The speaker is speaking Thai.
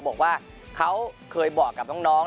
บอกว่าเขาเคยบอกกับน้อง